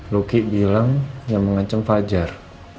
luki bilang yang mengancam fajar